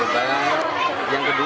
karena saya tidak ingin menjadi beban